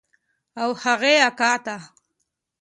او هغې اکا ته.